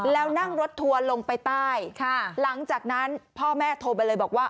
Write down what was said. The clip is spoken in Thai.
แล้วนั่งรถทัวร์ลงไปใต้หลังจากนั้นพ่อแม่โทรไปเลยบอกว่า